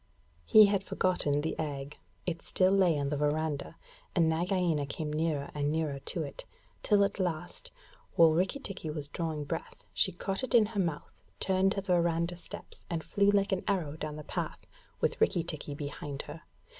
He had forgotten the egg. It still lay on the verandah, and Nagaina came nearer and nearer to it, till at last, while Rikki tikki was drawing breath, she caught it in her mouth, turned to the verandah steps and flew like an arrow down the path, with Rikki tikki behind her.